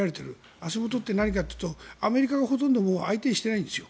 足元って何かというとアメリカがほとんど相手にしてないんですよ。